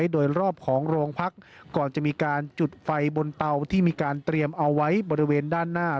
โดยรอบของโรงพักก่อนจะมีการจุดไฟบนเตาที่มีการเตรียมเอาไว้บริเวณด้านหน้า